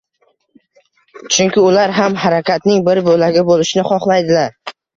Chunki ular ham harakatning bir boʻlagi boʻlishni xohlaydilar.